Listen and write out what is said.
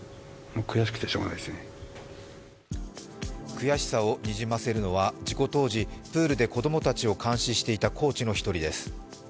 悔しさをにじませるのは事故当時プールで子どもたちを監視していたコーチの１人です。